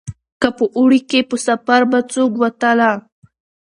که په اوړي په سفر به څوک وتله